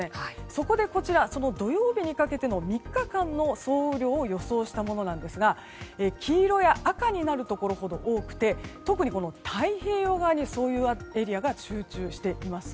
そこで、土曜日にかけての３日間の総雨量を予想したものなんですが黄色や赤になるところほど多くて特に太平洋側にそういうエリアが集中しています。